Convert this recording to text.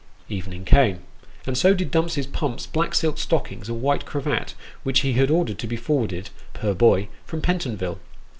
Evening came and so did Dumps's pumps, black silk stockings, and white cravat which he had ordered to be forwarded, per boy, from Pentonville.